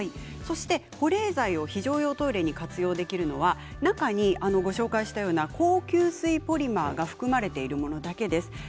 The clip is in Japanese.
そして保冷剤を非常用トイレに活用できるのは中に高吸水ポリマーが含まれているものだけです。